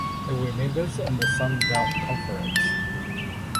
They were members in the Sun Belt Conference.